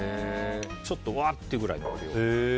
ちょっとうわっていうくらいの量。